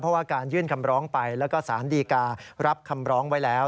เพราะว่าการยื่นคำร้องไปแล้วก็สารดีการับคำร้องไว้แล้ว